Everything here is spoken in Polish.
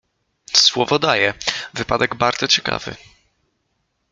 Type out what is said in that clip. "Słowo daję, wypadek bardzo ciekawy“."